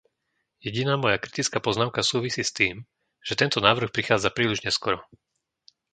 Jediná moja kritická poznámka súvisí s tým, že tento návrh prichádza príliš neskoro.